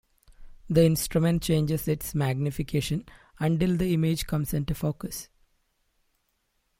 The instrument changes its magnification until the image comes into focus.